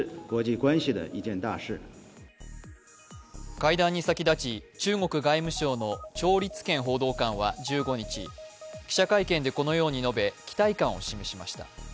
会談に先立ち中国外務省の趙立堅報道官は１５日、記者会見でこのように述べ、期待感を示しました。